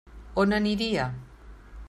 On aniria?